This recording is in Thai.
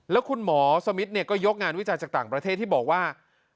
แล้วคุณหมอสมิทก็ยกงานวิจัยจากต่างประเทศที่บอกว่า